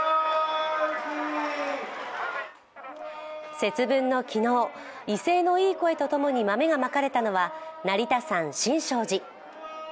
節分の昨日、威勢のいい声とともに豆がまかれたのは成田山新勝寺。